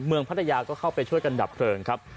พัทยาก็เข้าไปช่วยกันดับเพลิงครับ